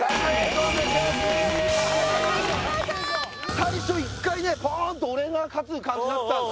最初一回ねポーンと俺が勝つ感じだったんですよ。